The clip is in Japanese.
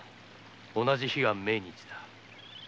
同じ日が命日だ。